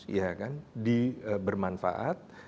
ya kan bermanfaat